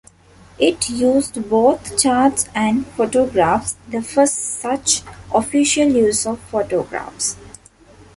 It used both charts and photographs, the first such official use of photographs.